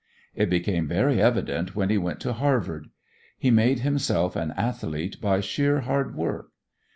It became very evident when he went to Harvard. He made himself an athlete by sheer hard work.